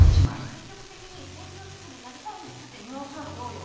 積極的に専業主夫になりたいんですってニュアンスならどうよ？